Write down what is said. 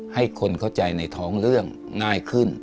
ให้คนเข้าใจในท้องเรื่องง่ายขึ้น